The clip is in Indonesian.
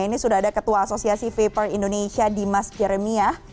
ini sudah ada ketua asosiasi vaper indonesia dimas jeremia